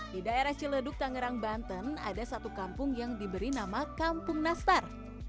di daerah ciledug tangerang banten ada satu kampung yang diberi nama kampung nastar